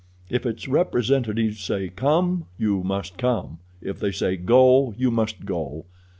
If its representatives say 'Come,' you must come; if they say 'Go,' you must go.